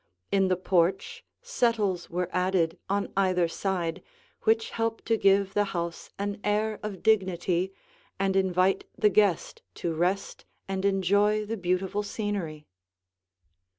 In the porch settles were added on either side which help to give the house an air of dignity and invite the guest to rest and enjoy the beautiful scenery.